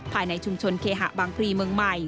ภายในชุมชนเคหะบางพลีเมืองใหม่